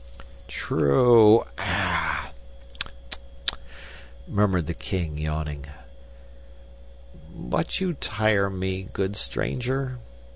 "True," murmured the King, yawning. "But you tire me, good stranger.